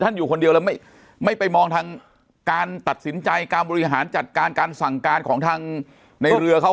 อยู่คนเดียวแล้วไม่ไปมองทางการตัดสินใจการบริหารจัดการการสั่งการของทางในเรือเขา